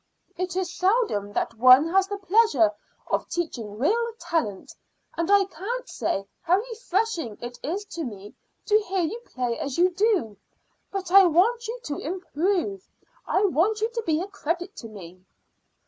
"It is seldom that one has the pleasure of teaching real talent, and I can't say how refreshing it is to me to hear you play as you do. But I want you to improve; I want you to be a credit to me."